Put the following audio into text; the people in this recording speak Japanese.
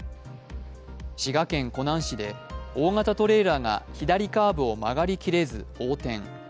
滋賀県湖南市で大型トレーラーが左カーブを曲がりきれず横転。